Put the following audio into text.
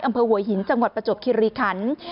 อำเภอหัวหินจังหวัดประจวบคิริคัน